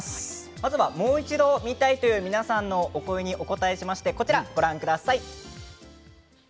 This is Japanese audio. まずはもう一度見たいという皆さんのお声にお応えしましてこちらをご覧ください。